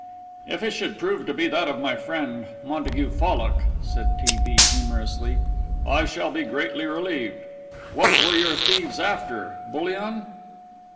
"If it should prove to be that of my friend Montague Fallock," said T. B. humorously, "I shall be greatly relieved. What were your thieves after bullion?"